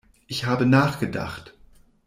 Ich habe nachgedacht.